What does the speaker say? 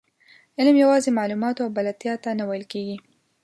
علم یوازې معلوماتو او بلدتیا ته نه ویل کېږي.